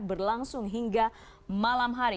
berlangsung hingga malam hari